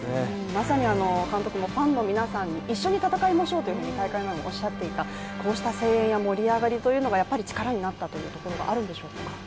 まさに監督もファンの皆さんと一緒に戦いましょうと大会前におっしゃっていた、こうした声援や盛り上がりというのがやはり力になったところがあるんでしょうか？